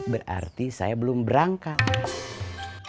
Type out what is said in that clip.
berarti saya belum berangkat